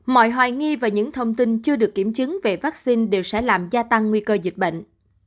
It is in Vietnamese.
mọi hoài nghi và những thông tin chưa được kiểm chứng về vaccine đều sẽ làm gia tăng nguy cơ dịch bệnh